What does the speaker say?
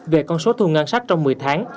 về con số thu ngân sách trong một mươi tháng